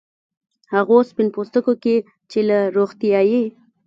هغو سپین پوستکو کې چې له روغتیايي